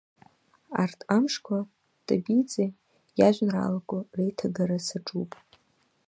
Арҭ амшқәа Табиӡе иажәеинраалақәа реиҭагара саҿуп.